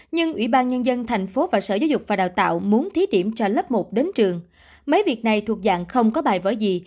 nhưng ủy ban nhân dân tp hcm muốn thí điểm cho lớp một đến trường mấy việc này thuộc dạng không có bài vở gì